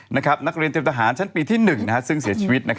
นักเรียนเตรียมทหารชั้นปีที่๑ซึ่งเสียชีวิต